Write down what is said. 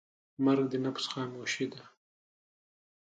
مرګ د نفس خاموشي ده.